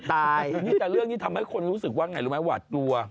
แต่เรื่องนี้ทำให้คนรู้สึกว่าไงรู้ไหมวะดูอะ